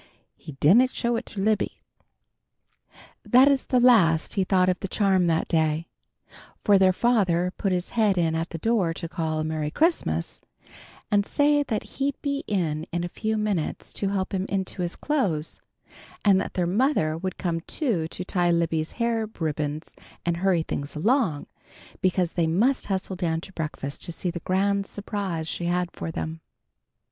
He didn't show it to Libby. That is the last he thought of the charm that day, for their father put his head in at the door to call "Merry Christmas," and say that he'd be in in a few minutes to help him into his clothes, and that their mother would come too to tie Libby's hair ribbons and hurry things along, because they must hustle down to breakfast to see the grand surprise she had for them.